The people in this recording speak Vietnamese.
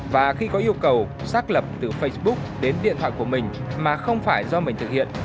và khi có yêu cầu xác lập từ facebook đến điện thoại của mình mà không phải do mình thực hiện